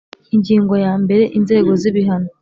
Ingingo ya mbere Inzego z ibihano